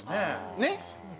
ねっ。